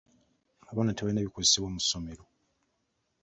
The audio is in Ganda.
Abaana tebalina bikozesebwa mu ssomero.